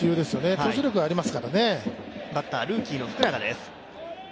投手力がありますからね。